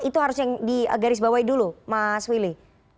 itu harus yang digarisbawahi dulu mas willy